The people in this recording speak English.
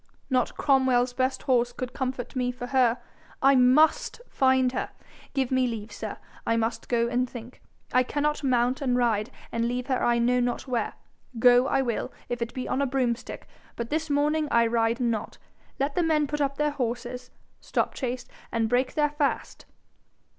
Not Cromwell's best horse could comfort me for her. I MUST find her. Give me leave, sir; I must go and think. I cannot mount and ride, and leave her I know not where. Go I will, if it be on a broomstick, but this morning I ride not. Let the men put up their horses, Stopchase, and break their fast.'